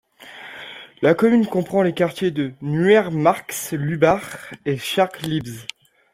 La commune comprend les quartiers de Neuermark-Lübars et Scharlibbe.